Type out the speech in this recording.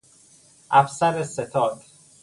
افسر ستاد